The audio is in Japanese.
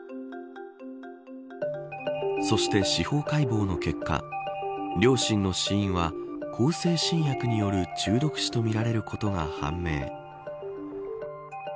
そして、司法解剖の結果両親の死因は向精神薬による中毒死とみられることが判明。